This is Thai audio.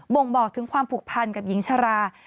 ่งบอกถึงความผูกพันกับหญิงชรา